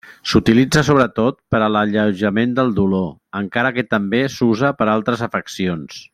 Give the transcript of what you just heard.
S'utilitza sobretot per a l'alleujament del dolor, encara que també s'usa per a altres afeccions.